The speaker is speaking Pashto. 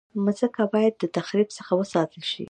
مځکه باید د تخریب څخه وساتل شي.